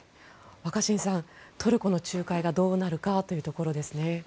若新さんトルコの仲介がどうなるかというところですね。